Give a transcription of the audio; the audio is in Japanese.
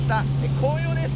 紅葉です。